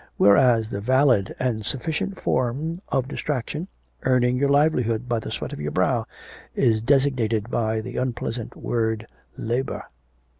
Whereas the valid and sufficient form of distraction, earning your livelihood by the sweat of your brow, is designated by the unpleasant word Labour.'